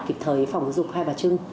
kịp thời phòng dục hai bà trưng